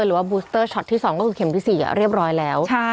หรือว่าบูสเตอร์ช็อตที่๒ก็คือเข็มที่๔เรียบร้อยแล้ว